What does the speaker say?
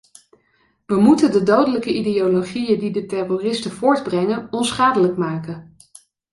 Wij moeten de dodelijke ideologieën die de terroristen voortbrengen onschadelijk maken.